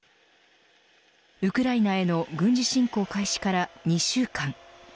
ウクライナへの軍事侵攻開始から２週間。